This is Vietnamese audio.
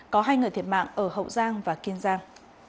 có hai người thiệt mạng ở hậu giang và kiên giang